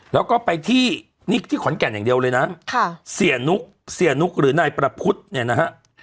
แล้วก็ไปที่นี่ที่ขอนแก่นอย่างเดียวเลยนะค่ะเสียนุกเสียนุกหรือนายประพุทธเนี่ยนะฮะ